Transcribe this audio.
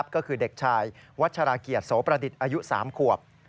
ก็คือเด็กชายวัชราเกียรติโสประดิษฐ์อายุ๓ขวบ